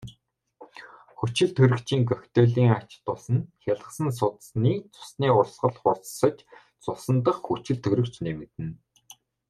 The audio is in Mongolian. Хүчилтөрөгчийн коктейлийн ач тус нь хялгасан судасны цусны урсгал хурдсаж цусан дахь хүчилтөрөгч нэмэгдэнэ.